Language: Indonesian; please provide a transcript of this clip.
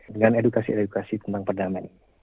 dengan edukasi edukasi tentang perdamaian